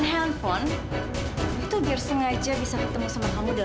sampai jumpa di video selanjutnya